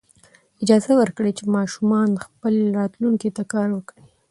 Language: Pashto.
اجازه ورکړئ چې ماشومان خپلې راتلونکې ته کار وکړي.